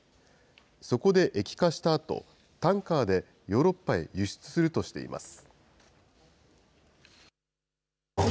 そこで液化したあと、タンカーでヨーロッパへ輸出するとしています。